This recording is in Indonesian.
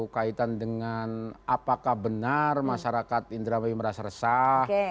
kaitan dengan apakah benar masyarakat indrawati merasa resah